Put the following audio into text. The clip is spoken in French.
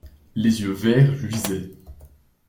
Les yeux verts luisaient.